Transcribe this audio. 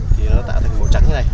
thì nó tạo thành màu trắng như thế này